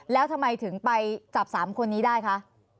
แล้วทำไมถึงไปจับ๓คนนี้ได้คะ